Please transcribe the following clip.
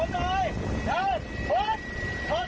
ที่อยู่ด้านล่าง